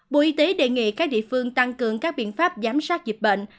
bộ y tế đề nghị các địa phương tăng cường các biện pháp giám sát dịch bệnh